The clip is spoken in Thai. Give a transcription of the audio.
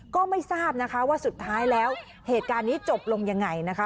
ก็ไม่ทราบนะคะว่าสุดท้ายแล้วเหตุการณ์นี้จบลงยังไงนะคะ